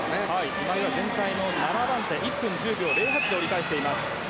今井は全体の７番手１分１０秒０８で折り返しました。